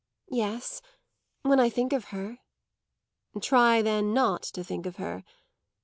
"Yes when I think of her." "Try then not to think of her.